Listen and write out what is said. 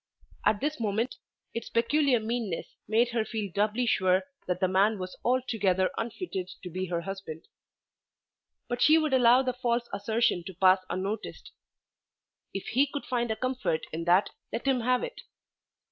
At this moment its peculiar meanness made her feel doubly sure that the man was altogether unfitted to be her husband. But she would allow the false assertion to pass unnoticed. If he could find a comfort in that let him have it.